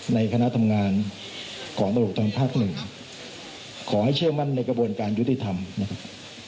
ในคณะทำงานของตำรวจตอนภาคหนึ่งขอให้เชื่อมั่นในกระบวนการยุติธรรมนะครับ